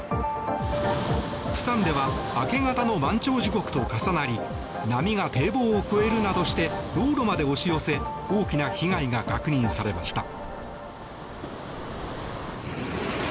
釜山では明け方の満潮時刻と重なり波が堤防を越えるなどして道路まで押し寄せ大きな被害が確認されました。